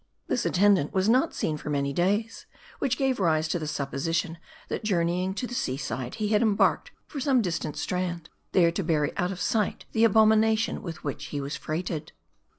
This attendant was not seen again for many days ; which gave rise to the supposition, that journeying to the sea side, he had embarked for some distant strand ; there, to bury out of sight the abomination with which he was freighted.